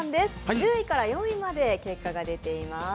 １０位から４位まで結果が出ています。